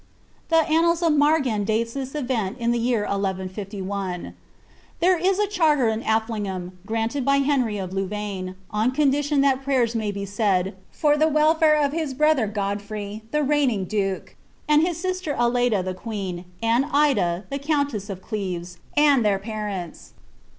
The annals of Margan date this event in the year 1 151. There is a charter in Affligham, granted by Hemy of Louvaine, on condition tliat prayera may be eaid, for the welfare of his brother God frey, the reigning duke, his sister Aleyda the queen, and Ida, the counter of Cleres, and their parents.